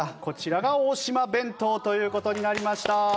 こちらが大島弁当という事になりました。